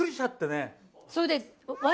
それで。